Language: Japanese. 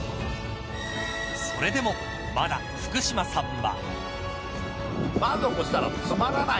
それでも、まだ福島さんは。